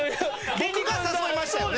僕が誘いましたよね？